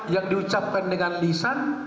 yang diucapkan dengan lisan